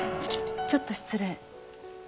ちょっと失礼。